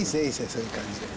そういう感じで。